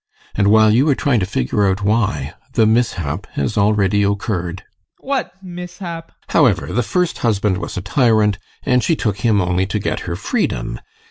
And while you are trying to figure out why, the mishap has already occurred. ADOLPH. What mishap? GUSTAV. However, the first husband was a tyrant, and she took him only to get her freedom.